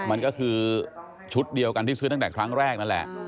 มันก็คือชุดเดียวกันที่ซื้อตั้งแต่ครั้งแรกนั่นแหละ